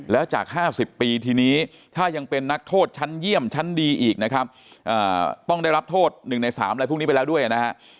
แล้วจาก๕๐ปีทีนี้ถ้ายังเป็นนักโทษชั้นเยี่ยมชั้นดีอีกนะครับต้องได้รับโทษ๑ใน๓อะไรพวกนี้ไปแล้วด้วยนะฮะ